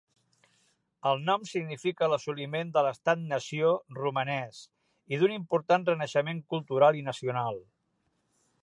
El nom significà l'assoliment de l'estat-nació romanès i d'un important renaixement cultural i nacional.